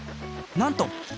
なんと！